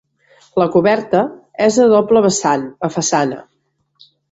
La coberta és de doble vessant a façana.